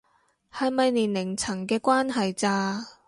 係咪年齡層嘅關係咋